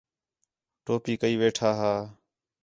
ٹوپی کَئی ویٹھا ہا